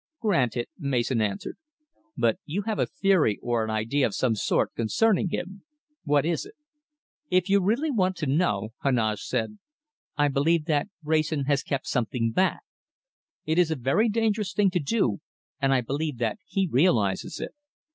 "Granted," Mason answered. "But you have a theory or an idea of some sort concerning him. What is it?" "If you really want to know," Heneage said, "I believe that Wrayson has kept something back. It is a very dangerous thing to do, and I believe that he realizes it.